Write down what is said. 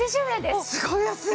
すごい安い。